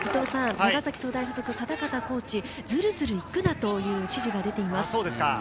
長崎総大附属の定方コーチ、ずるずる行くなという指示が出ています。